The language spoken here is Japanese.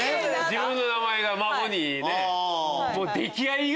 自分の名前が孫にね。